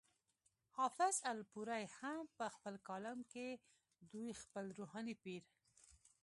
حافظ الپورۍ هم پۀ خپل کالم کې دوي خپل روحاني پير